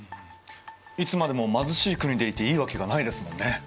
いつまでも貧しい国でいていいわけがないですもんね。